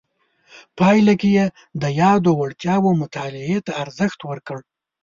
پایله کې یې د یادو وړتیاو مطالعې ته ارزښت ورکړ.